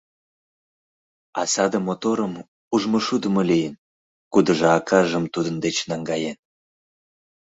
А саде моторым ужмышудымо лийын, кудыжо акажым тудын деч наҥгаен.